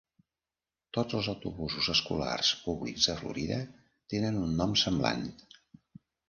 Tots els autobusos escolars públics a Florida tenen un nom semblant.